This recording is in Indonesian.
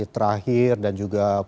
terakhir dan juga